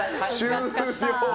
終了！